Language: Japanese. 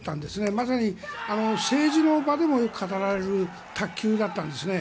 まさに政治の場でも語られる卓球だったんですね。